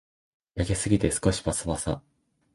焼きすぎて少しパサパサ